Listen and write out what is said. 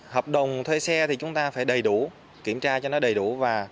hợp đồng thuê xe thì chúng ta phải đầy đủ kiểm tra cho nó đầy đủ và